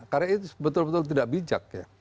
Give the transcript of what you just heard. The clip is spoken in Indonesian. karena itu betul betul tidak bijak ya